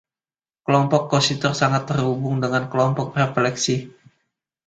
Kelompok Coxeter sangat terhubung dengan kelompok refleksi.